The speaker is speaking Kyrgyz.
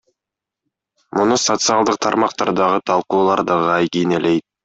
Муну социалдык тармактардагы талкуулар дагы айгинелейт.